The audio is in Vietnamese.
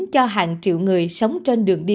cho hàng triệu người sống trên đường đi